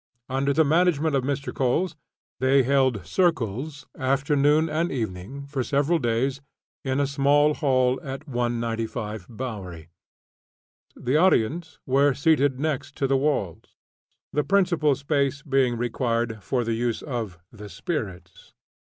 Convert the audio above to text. Under the management of Mr. Coles, they held "circles" afternoon and evening, for several days, in a small hall at 195 Bowery. The audience were seated next the walls, the principal space being required for the use of "the spirits."